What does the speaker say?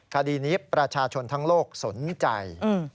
คดีนี้ประชาชนทั้งโลกสนใจ